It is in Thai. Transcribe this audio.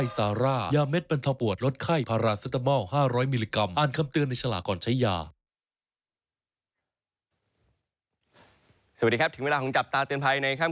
สวัสดีครับถึงเวลาของจับตาเตือนภัยนะครับ